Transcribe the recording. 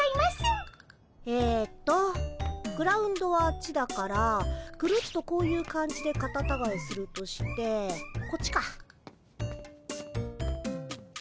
えっとグラウンドはあっちだからぐるっとこういう感じでカタタガエするとしてこっちか。